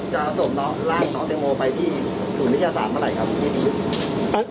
จะส่งต่อล่างต่อเต็มโมไปที่ศูนย์วิทยาศาสตร์เมื่อไหร่ครับอันนี้